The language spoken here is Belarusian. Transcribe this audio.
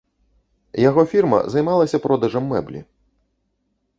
Яго фірма займалася продажам мэблі.